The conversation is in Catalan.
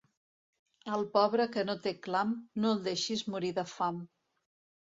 Al pobre que no té clam, no el deixis morir de fam.